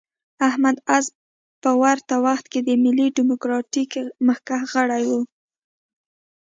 احمد عز په ورته وخت کې د ملي ډیموکراتیک مخکښ غړی و.